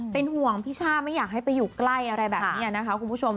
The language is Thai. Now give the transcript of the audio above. เป็นห่วงพี่ช่าไม่อยากให้ไปอยู่ใกล้อะไรแบบนี้นะคะคุณผู้ชม